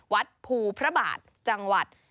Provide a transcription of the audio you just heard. วัดภูพระบาทจังหวัด